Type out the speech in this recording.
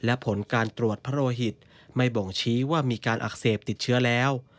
และผลการตรวจพระโรหิตไม่บ่งชี้ว่ามีการอักเสบติดเชื้อแล้ว